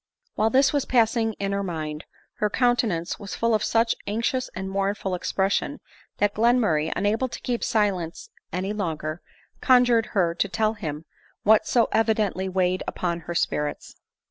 While this was passing in her mind, her countenance was full of such anxious and mournful expression, that Glenmurray, unable to keep silence any longer, conjured her to tell him what so evidently weighed upon her spirits.